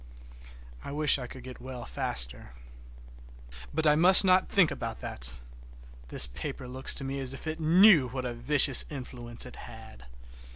I wish I could get well faster. But I must not think about that. This paper looks to me as if it knew what a vicious influence it had!